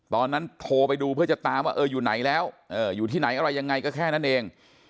ตอนนั้นโทรไปดูเพื่อจะตามว่าเอออยู่ไหนแล้วอยู่ที่ไหนอะไรยังไงก็แค่นั้นเอง